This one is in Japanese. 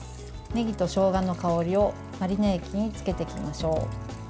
ねぎとしょうがの香りをマリネ液に漬けていきましょう。